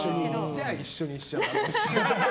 じゃあ一緒にしちゃう。